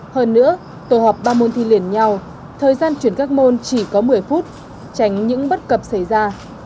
hơn nữa tổ họp ba môn thi liền nhau thời gian chuyển các môn chỉ có một mươi phút tránh những bất cập xảy ra